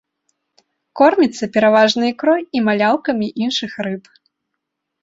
Корміцца пераважна ікрой і маляўкамі іншых рыб.